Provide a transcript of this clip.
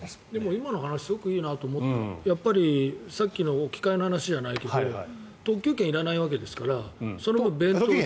今の話すごくいいなと思ってさっきの置き換えの話じゃないけど特急券がいらないわけですから。